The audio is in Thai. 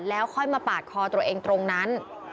แล้วค่อยมาปาดคอตัวเองตรงนั้น